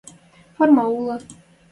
Форма улы